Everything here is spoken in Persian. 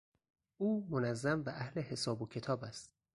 او منظم و اهل حساب و کتاب است.